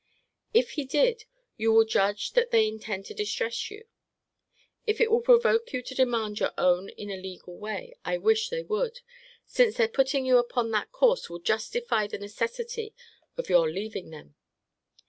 If he did, you will judge that they intend to distress you. If it will provoke you to demand your own in a legal way, I wish they would; since their putting you upon that course will justify the necessity of your leaving them.